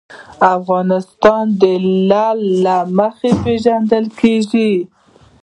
افغانستان د لعل له مخې پېژندل کېږي.